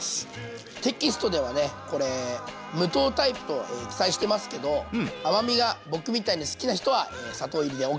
テキストではねこれ無糖タイプと記載してますけど甘みが僕みたいに好きな人は砂糖入りでＯＫ！